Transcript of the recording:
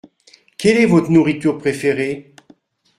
Quelle est votre nourriture préférée ?